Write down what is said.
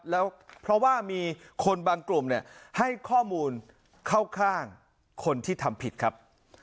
แล้วเพราะว่ามีคนบางกลุ่มเนี่ยให้ข้อมูลเข้าข้างคนที่ทำผิดครับ